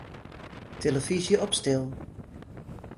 Tillefyzje op stil.